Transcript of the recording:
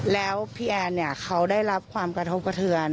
แล้วพี่แอนเนี่ยเขาได้รับความกระทบกระเทือน